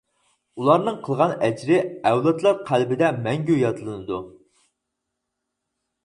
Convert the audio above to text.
ئۇلارنىڭ قىلغان ئەجرى ئەۋلادلار قەلبىدە مەڭگۈ يادلىنىدۇ.